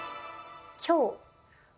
「今日」。